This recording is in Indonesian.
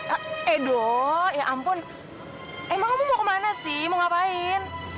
eh dong ya ampun emang kamu mau kemana sih mau ngapain